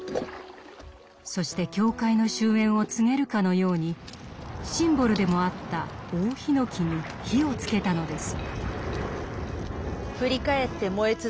そして教会の終焉を告げるかのようにシンボルでもあった大檜に火をつけたのです。